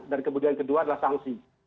dan kemudian kedua adalah sanksi